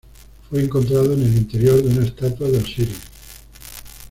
Fue encontrado en el interior de una estatua de Osiris.